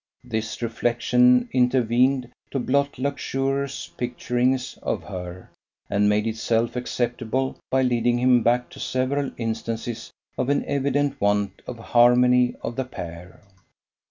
This reflection intervened to blot luxurious picturings of her, and made itself acceptable by leading him back to several instances of an evident want of harmony of the pair.